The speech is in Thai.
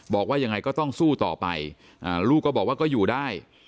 บอกว่ายังไงก็ต้องสู้ต่อไปลูกก็บอกว่าก็อยู่ได้